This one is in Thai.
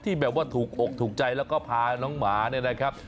แบบว่าถูกอกถูกใจแล้วก็พาน้องหมาเนี่ยนะครับ